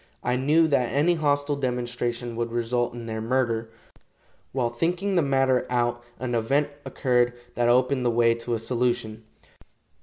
I knew that any hostile demonstration would result in their murder. While thinking the matter out an event occurred that opened the way to a solution.